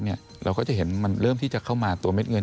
เราก็จะเห็นมันเริ่มที่จะเข้ามาตัวเม็ดเงิน